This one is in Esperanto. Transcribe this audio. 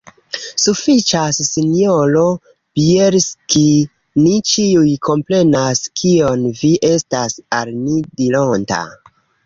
Sufiĉas, sinjoro Bjelski; ni ĉiuj komprenas, kion vi estas al ni dironta.